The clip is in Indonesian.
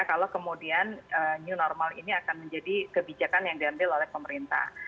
kalau kemudian new normal ini akan menjadi kebijakan yang diambil oleh pemerintah